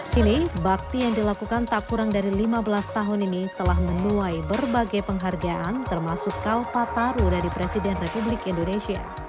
kini bakti yang dilakukan tak kurang dari lima belas tahun ini telah menuai berbagai penghargaan termasuk kalpataru dari presiden republik indonesia